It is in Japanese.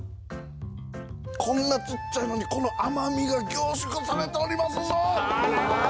こんな小っちゃいのに甘みが凝縮されておりますな。